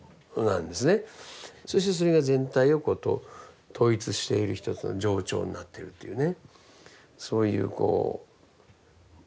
そしてそれが全体と統一しているひとつの情緒になっているっていうね。